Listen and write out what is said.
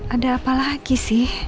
ada apa lagi sih